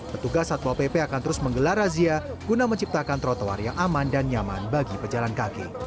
petugas satpol pp akan terus menggelar razia guna menciptakan trotoar yang aman dan nyaman bagi pejalan kaki